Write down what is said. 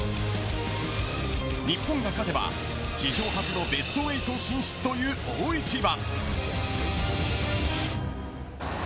日本が勝てば史上初のベスト８進出という大一番。